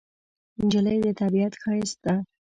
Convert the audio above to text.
نجلۍ د طبیعت ښایست ده.